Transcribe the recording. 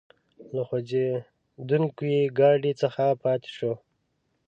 له خوځېدونکي ګاډي څخه پاتې شوو.